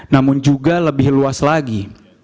namun juga lebih luas lagi